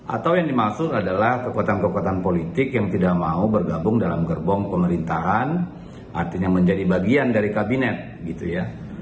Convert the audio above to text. atau yang dimaksud adalah kekuatan kekuatan politik yang tidak mau bergabung dalam gerbong pemerintahan artinya menjadi bagian dari kabinet gitu ya